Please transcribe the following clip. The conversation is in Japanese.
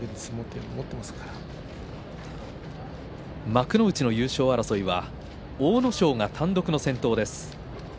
幕内の優勝争いは阿武咲が単独の先頭です。